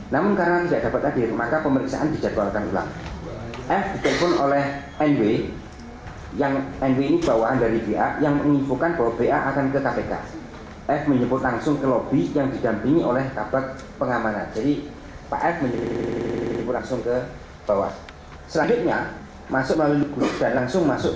namun karena tidak dapat hadir maka pemeriksaan dijadwalkan ulang